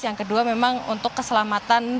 yang kedua memang untuk keselamatan